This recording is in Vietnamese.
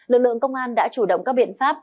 lực lượng công an đã chủ động các biện pháp